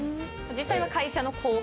実際は会社の後輩です。